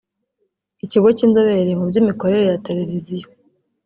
Ikigo cy’inzobere mu by’imikorere ya Televiziyo